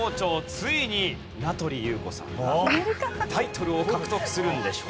ついに名取裕子さんがタイトルを獲得するんでしょうか？